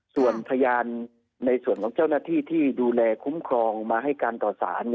ส่วนพยานในส่วนของเจ้าหน้าที่ที่ดูแลคุ้มครองมาให้การต่อสาร